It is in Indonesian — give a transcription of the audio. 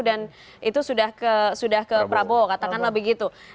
dan itu sudah ke prabowo katakanlah begitu